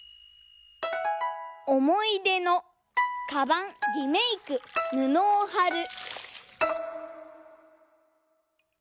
「おもいでのカバンリメイクぬのをはる」。